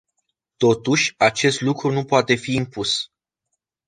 Totuși, acest lucru nu poate fi impus.